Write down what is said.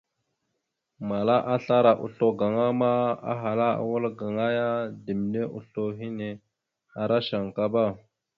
Mala asla ara oslo gaŋa ma ahala a wal gaŋa ya ɗimne oslo hine ara shankaba.